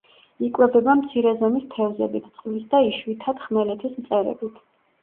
იკვებება მცირე ზომის თევზებით, წყლის და იშვითად ხმელეთის მწერებით.